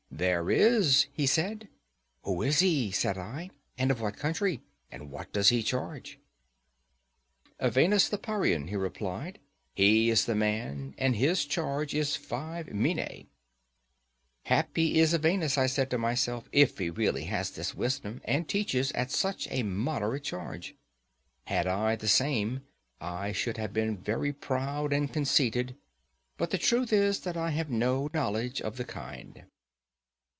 "There is," he said. "Who is he?" said I; "and of what country? and what does he charge?" "Evenus the Parian," he replied; "he is the man, and his charge is five minæ." Happy is Evenus, I said to myself, if he really has this wisdom, and teaches at such a moderate charge. Had I the same, I should have been very proud and conceited; but the truth is that I have no knowledge of the kind.